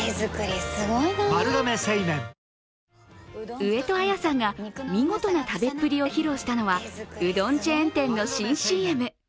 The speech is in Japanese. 上戸彩さんが見事な食べっぷりを披露したのはうどんチェーン店の新ＣＭ。